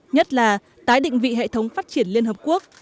nhất là tái định vị hệ thống phát triển liên hợp quốc